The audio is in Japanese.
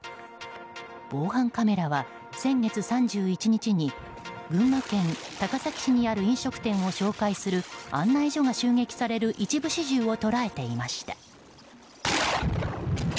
防犯カメラは先月３１日に群馬県高崎市にある飲食店を紹介する案内所が襲撃される一部始終を捉えていました。